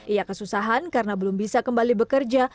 ia kesusahan karena belum bisa kembali bekerja